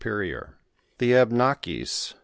'ror. The Abnakis, ?'